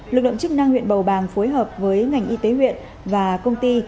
lực lượng chức năng huyện bầu bàng phối hợp với ngành y tế huyện và công ty